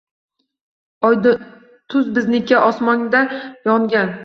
Oydin tun bizniki. Osmonda yongan